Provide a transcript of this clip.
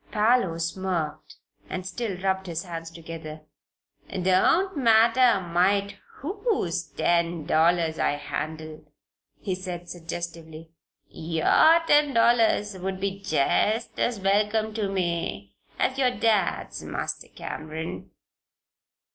Parloe smirked and still rubbed his hands together. "Don't matter a mite whose ten dollars I handle," he said, suggestively. "Your ten dollars would be jest as welcome to me as your Dad's, Master Cameron."